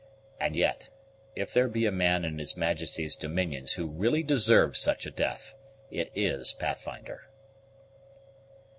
And yet, if there be a man in his Majesty's dominions who really deserves such a death, it is Pathfinder."